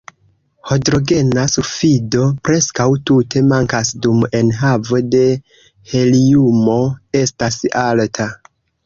Hidrogena sulfido preskaŭ tute mankas, dum enhavo de heliumo estas alta.